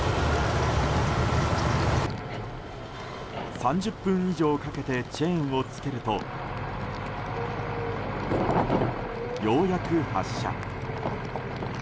３０分以上かけてチェーンを着けるとようやく発車。